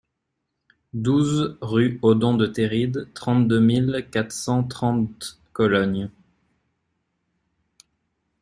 douze rue Odon de Terride, trente-deux mille quatre cent trente Cologne